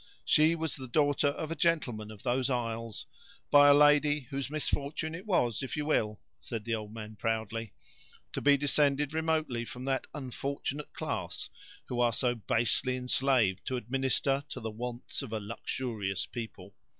She was the daughter of a gentleman of those isles, by a lady whose misfortune it was, if you will," said the old man, proudly, "to be descended, remotely, from that unfortunate class who are so basely enslaved to administer to the wants of a luxurious people.